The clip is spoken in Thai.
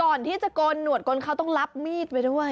ก่อนที่จะโกนหนวดโกนเขาต้องรับมีดไปด้วย